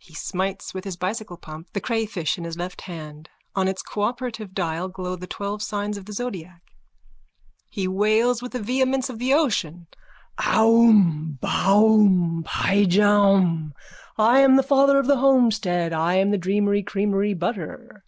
_(He smites with his bicycle pump the crayfish in his left hand. On its cooperative dial glow the twelve signs of the zodiac. He wails with the vehemence of the ocean.)_ Aum! Baum! Pyjaum! I am the light of the homestead! I am the dreamery creamery butter.